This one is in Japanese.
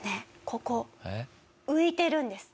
ここ浮いてるんです。